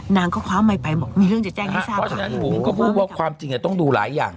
นางก็คว้าไมค์ไปบอกมีเรื่องจะแจ้งให้ทราบเพราะฉะนั้นบุ๋มก็พูดว่าความจริงต้องดูหลายอย่าง